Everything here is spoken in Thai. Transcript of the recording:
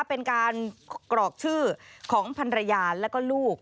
เป็นการกรอกชื่อของพันรยาแล้วก็ลูก